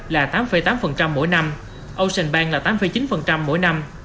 là tám tám mỗi năm ocean bank là tám chín mỗi năm